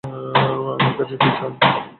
আমার কাছে কী চান?